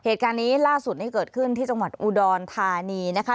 เหตุการณ์นี้ล่าสุดนี้เกิดขึ้นที่จังหวัดอุดรธานีนะคะ